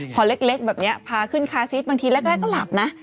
พอเล็กแบบนี้พาขึ้นคาซีสบางทีแรกก็หลับนะ